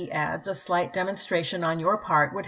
adds, "a slight demonstration on yom' part would W.